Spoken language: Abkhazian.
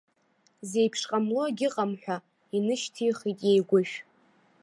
Зеиԥш ҟамло агьыҟам ҳәа, инышьҭихит иеигәышә.